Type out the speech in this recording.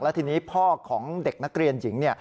ทีนี้พ่อของเด็กนักเรียนหญิง